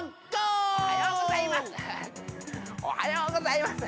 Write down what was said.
おはようございます。